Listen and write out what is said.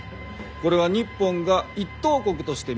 これは日本が一等国として認められる好機。